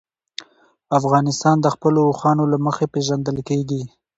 افغانستان د خپلو اوښانو له مخې پېژندل کېږي.